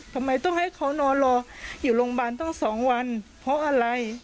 ทำไมต้องให้เขานอนรออยู่โรงพยาบาลต้อง๒วันเพราะอะไร